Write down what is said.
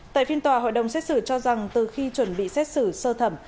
tại phiên tòa hội đồng xét xử cho rằng từ khi chuẩn bị xét xử sơ thẩm